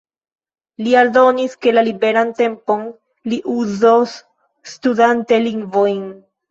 Li aldonis, ke la liberan tempon li uzos studante lingvojn.